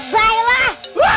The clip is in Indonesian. set lebar itu wah